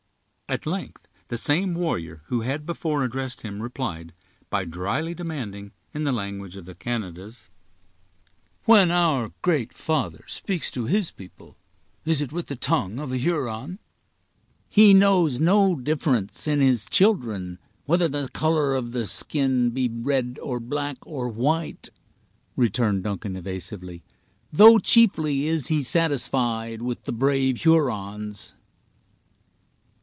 At length the same warrior who had before addressed him replied, by dryly demanding, in the language of the Canadas: "When our Great Father speaks to his people, is it with the tongue of a Huron?" "He knows no difference in his children, whether the color of the skin be red, or black, or white," returned Duncan, evasively; "though chiefly is he satisfied with the brave Hurons."